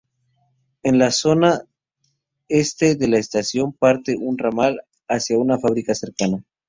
En la zona este de la estación parte un ramal hacia una fábrica cercana.